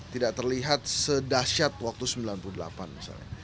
tidak terlihat sedahsyat waktu sembilan puluh delapan misalnya